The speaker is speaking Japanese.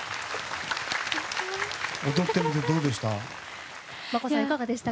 踊ってみてどうでした？